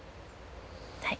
はい。